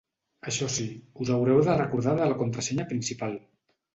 Això sí, us haureu de recordar de la contrasenya principal!